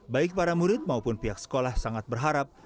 baik para murid maupun pihak sekolah sangat berharap